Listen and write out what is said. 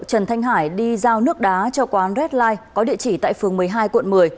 trần thanh hải đi giao nước đá cho quán reddline có địa chỉ tại phường một mươi hai quận một mươi